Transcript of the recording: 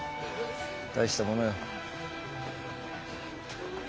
大したものよ。